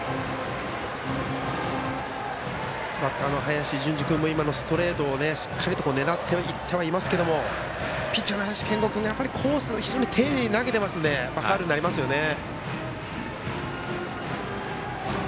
バッターの林純司君も今のストレートをしっかりと狙っていってはいますけれどもピッチャーの林謙吾君がコース、丁寧に投げていますのでファウルになりますよね。